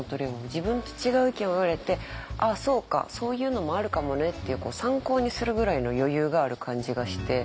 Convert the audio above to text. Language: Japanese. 自分と違う意見を言われて「ああそうか。そういうのもあるかもね」っていう参考にするぐらいの余裕がある感じがして。